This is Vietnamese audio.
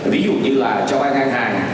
ví dụ như là cho bán hàng